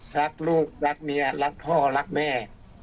รักลูกรักเมียรักพ่อรักแม่